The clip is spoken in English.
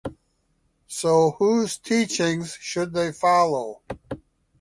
So whose teachings should they follow?